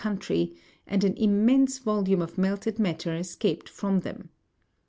117 country, and an immense volume of melted matter escaped from them.